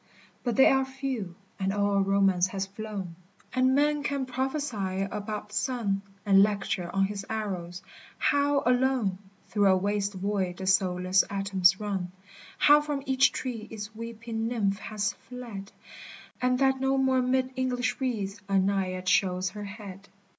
But they are few, and all romance has flown, And men can prophesy about the sun, And lecture on his arrows — how, alone, Through a waste void the soulless atoms run, How from each tree its weeping nymph has (led, And that no more 'mid English reeds a Naiad shows her head.